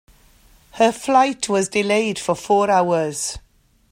Her flight was delayed for four hours.